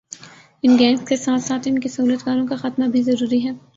ان gangs کے ساتھ ساتھ انکے سہولت کاروں کا خاتمہ بھی ضروری ہے